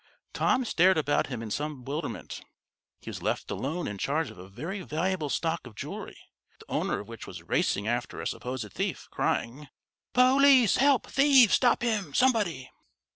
Tom stared about him in some bewilderment. He was left alone in charge of a very valuable stock of jewelry, the owner of which was racing after a supposed thief, crying: "Police! Help! Thieves! Stop him, somebody!"